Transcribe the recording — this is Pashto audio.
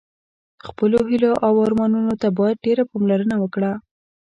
خپلو هیلو او ارمانونو ته باید ډېره پاملرنه وکړه.